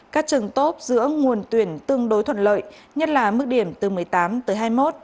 các trường tốt giữa nguồn tuyển tương đối thuận lợi nhất là mức điểm từ một mươi tám tới hai mươi một